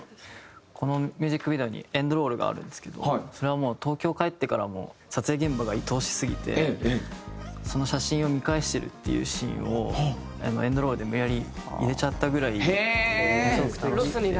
このミュージックビデオにエンドロールがあるんですけどそれはもう東京へ帰ってからも撮影現場がいとおしすぎてその写真を見返してるっていうシーンをエンドロールで無理やり入れちゃったぐらいすごく楽しくて。